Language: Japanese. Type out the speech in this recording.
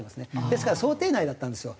ですから想定内だったんですよ